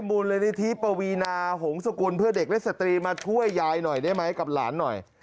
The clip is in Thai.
มูลนิธิปวีนาหงศกุลเพื่อเด็กและสตรีมาช่วยยายหน่อยได้ไหมกับหลานหน่อย